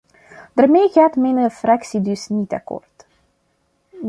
Daarmee gaat mijn fractie dus niet akkoord.